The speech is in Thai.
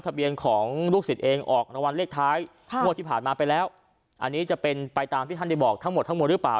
ทะเบียนของลูกศิษย์เองออกรางวัลเลขท้ายงวดที่ผ่านมาไปแล้วอันนี้จะเป็นไปตามที่ท่านได้บอกทั้งหมดทั้งหมดหรือเปล่า